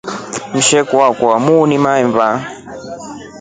Msheku achya muuni mahemba.